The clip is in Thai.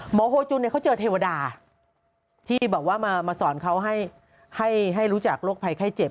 โฮจุนเขาเจอเทวดาที่บอกว่ามาสอนเขาให้รู้จักโรคภัยไข้เจ็บ